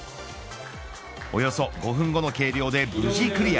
およそ５分後の計量で無事クリア。